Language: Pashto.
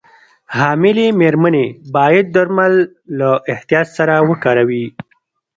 حاملې مېرمنې باید درمل له احتیاط سره وکاروي.